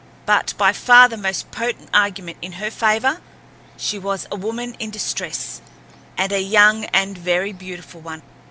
But, by far the most potent argument in her favor, she was a woman in distress—and a young and very beautiful one.